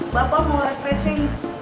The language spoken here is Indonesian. bapak mau refreshing